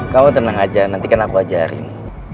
kau tenang aja nanti kan aku ajarin